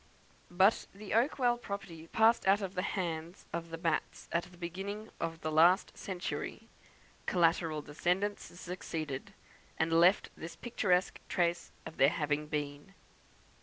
But the Oakwell property passed out of the hands of the Batts at the beginning of the last century; collateral descendants succeeded, and left this picturesque trace of their having been.